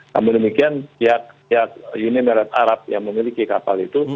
namun demikian pihak uni emirat arab yang memiliki kapal itu